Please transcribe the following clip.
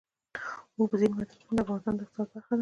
اوبزین معدنونه د افغانستان د اقتصاد برخه ده.